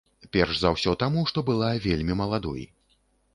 Перш за ўсё таму, што была вельмі маладой.